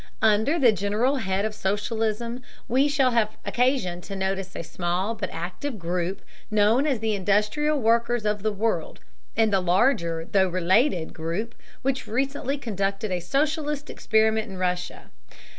Under the general head of socialism we shall have occasion to notice a small but active group known as the Industrial Workers of the World, and the larger, though related, group which recently conducted a socialist experiment in Russia.